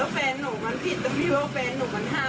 แล้วแฟนหนูมันผิดแฟนหนูมันห้ามตาคนนี้ไม่ได้